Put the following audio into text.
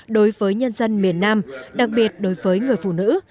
đối với nhân dân miền nam đặc biệt đối với người phụ nữ